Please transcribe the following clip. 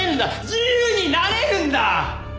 自由になれるんだ！